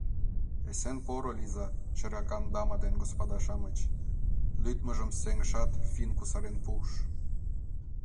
— Эсен-поро лийза, шергакан дама ден господа-шамыч! — лӱдмыжым сеҥышат, финн кусарен пуыш.